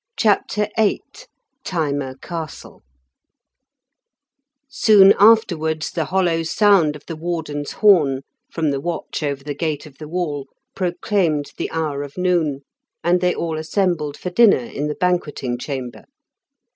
CHAPTER VIII THYMA CASTLE Soon afterwards the hollow sound of the warden's horn, from the watch over the gate of the wall, proclaimed the hour of noon, and they all assembled for dinner in the banqueting chamber.